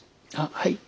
はい。